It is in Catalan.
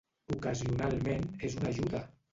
Ocasionalment és una ajuda!